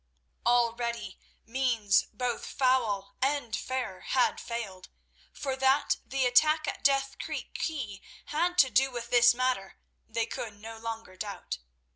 Already means both foul and fair had failed, for that the attack at Death Creek quay had to do with this matter they could no longer doubt.